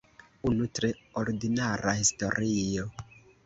Unu tre ordinara historio.